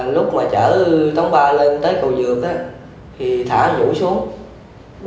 lúc mà chở tống ba lên tới cầu dược thì thả nguyễn hữu xuống